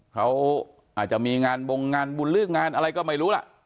เขาอาจจะมีงานบงงานบุญหรืองานอะไรก็ไม่รู้ล่ะ